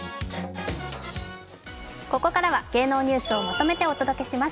ここからは芸能ニュースをまとめてお届けします。